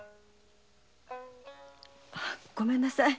ごめんなさい。